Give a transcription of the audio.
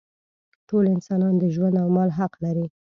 ټول انسانان د ژوند او مال حق لري.